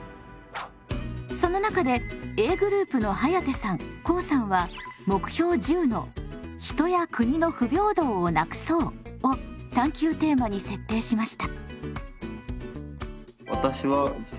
その中でＡグループのはやてさんこうさんは目標１０の「人や国の不平等をなくそう」を探究テーマに設定しました。